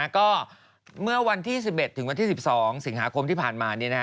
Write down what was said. ก็เมื่อวันที่๑๑ถึงวันที่๑๒สิงหาคมที่ผ่านมา